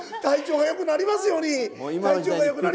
体調が良くなりますように！